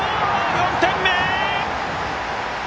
４点目！